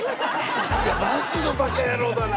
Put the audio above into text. マジのバカヤロウだな。